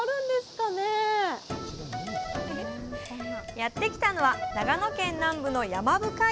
やって来たのは長野県南部の山深い